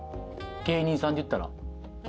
芸人さんでいったら。